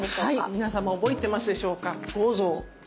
皆様覚えてますでしょうか五臓。